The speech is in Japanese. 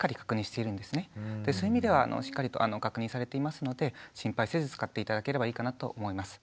そういう意味ではしっかりと確認されていますので心配せず使って頂ければいいかなと思います。